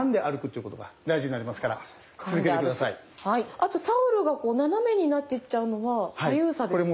あとタオルが斜めになっていっちゃうのは左右差ですか？